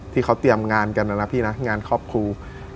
ที่เขาเตรียมงานกันนะนะพี่นะงานครอบครู